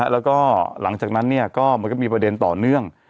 แล้วก็หลังจากนั้นมันก็มีประเด็นต่อเนื่อง